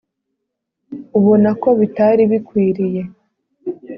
ubona ko bitari bikwiriye